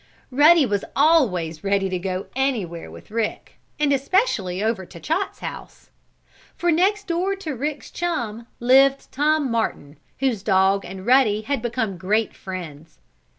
Ruddy was always ready to go anywhere with Rick, and especially over to Chot's house. For next door to Rick's chum lived Tom Martin, whose dog and Ruddy had become great friends.